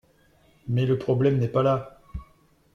Mais le problème n’est pas là.